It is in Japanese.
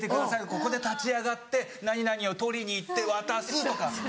ここで立ち上がって何々を取りに行って渡す」とか。